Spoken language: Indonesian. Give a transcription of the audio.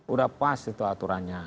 udah pas itu aturannya